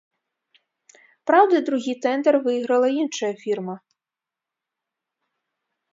Праўда, другі тэндар выйграла іншая фірма.